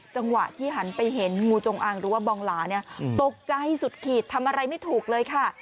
จังหวะที่หันไปเห็นงูจงอางหรือว่าบองหลาเนี่ยตกใจสุดขีดทำอะไรไม่ถูกเลยค่ะ